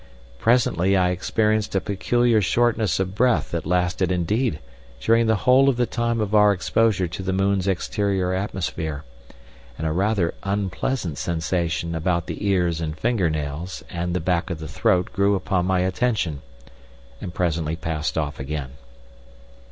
Presently I experienced a peculiar shortness of breath that lasted indeed during the whole of the time of our exposure to the moon's exterior atmosphere, and a rather unpleasant sensation about the ears and finger nails and the back of the throat grew upon my attention, and presently passed off again.